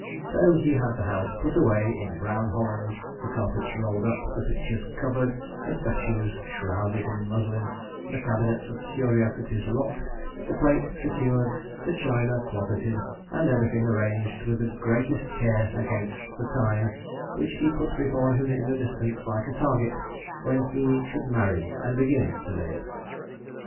So he had the house put away in brown holland, the carpets rolled up, the pictures covered, the statues shrouded in muslin, the cabinets of curiosities locked, the plate secured, the china closeted, and everything arranged with the greatest care against the time, which he put before him in the distance like a target, when he should marry and begin to live.